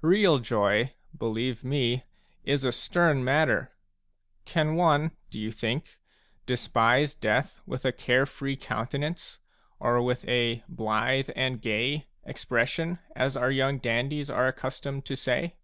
Real joy, believe me, is a stern matter. Can one, do you think, despise death with a care free counten ance, or with a "blithe and gay" expression, as our young dandies are accustomed to say